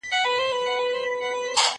زه اجازه لرم چي لوبه وکړم؟!